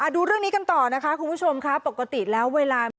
ดูเรื่องนี้กันต่อนะคะคุณผู้ชมค่ะปกติแล้วเวลา